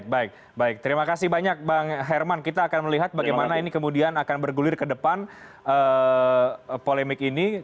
baik baik terima kasih banyak bang herman kita akan melihat bagaimana ini kemudian akan bergulir ke depan polemik ini